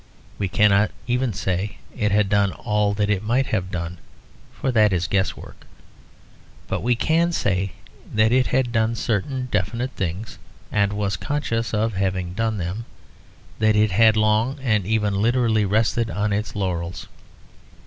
We cannot even say it had done all that it might have done, for that is guesswork. But we can say that it had done certain definite things and was conscious of having done them; that it had long and even literally rested on its laurels.